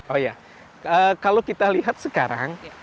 oh ya kalau kita lihat sekarang